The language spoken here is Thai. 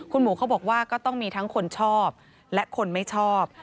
คุณหมูเขาบอกว่าก็ต้องมีทั้งคนชอบและคนไม่ชอบ